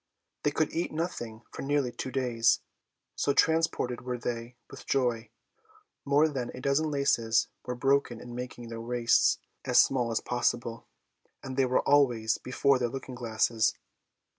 They could eat nothing for nearly two days, so transported were they with joy. More than a dozen laces were broken in making their waists as small as possible, and they were always before their looking glasses.